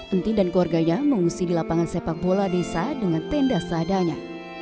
enti dan keluarganya mengungsi di lapangan sepak bola desa dengan tenda seadanya